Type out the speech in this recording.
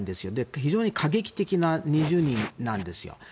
非常に過激的な２０人なんですよ。